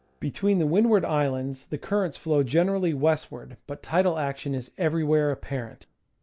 Between the Windward Islands the currents flow generally westward, but tidal action is everywhere apparent.